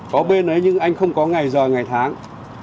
có bên ấy nhưng anh không có ngày giờ ngày tháng